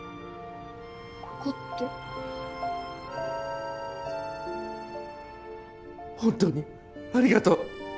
ここって本当にありがとう。